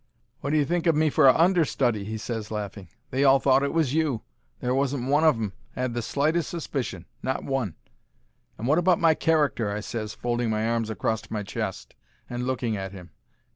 "Wot d'ye think of me for a understudy?" he ses, laughing. "They all thought it was you. There wasn't one of 'em 'ad the slightest suspicion —not one." "And wot about my character?" I ses, folding my arms acrost my chest and looking at him.